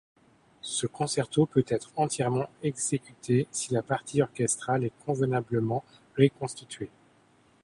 Ce concerto peut être entièrement exécuté si la partie orchestrale est convenablement reconstituée.